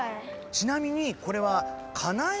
ちなみにこれはへえ。